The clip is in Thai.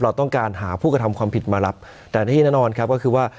เราต้องการหาผู้กระทำความผิดมารับแต่ที่แน่นอนครับก็คือว่า